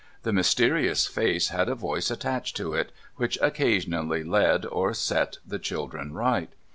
The mysterious face had a voice attached to it, which occasionally led or set the children right.